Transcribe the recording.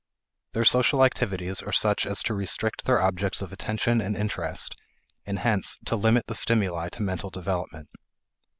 Their social activities are such as to restrict their objects of attention and interest, and hence to limit the stimuli to mental development.